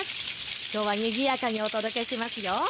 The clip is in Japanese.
きょうはにぎやかにお届けします。